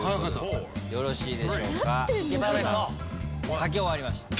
書き終わりました。